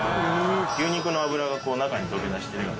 牛肉の脂が中に溶け出しているのが。